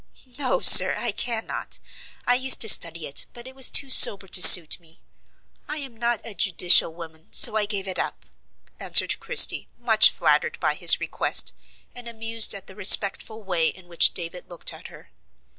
"No, sir, I cannot. I used to study it, but it was too sober to suit me. I am not a judicial woman, so I gave it up," answered Christie, much flattered by his request, and amused at the respectful way in which David looked at her.